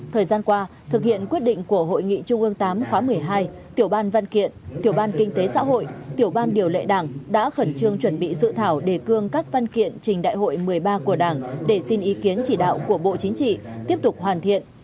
thời gian qua thực hiện quyết định của hội nghị trung ương viii khóa một mươi hai tiểu ban văn kiện tiểu ban kinh tế xã hội tiểu ban điều lệ đảng đã khẩn trương chuẩn bị dự thảo đề cương các văn kiện trình đại hội một mươi ba của đảng để xin ý kiến chỉ đạo của bộ chính trị tiếp tục hoàn thiện